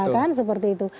kan seperti itu